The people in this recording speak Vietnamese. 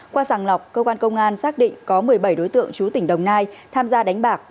qua sàng lọc cơ quan công an xác định có một mươi bảy đối tượng chú tỉnh đồng nai tham gia đánh bạc